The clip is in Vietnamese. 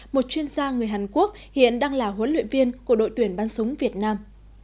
một chuyên gia người hàn quốc hiện đang là huấn luyện viên của đội tuyển bắn súng việt nam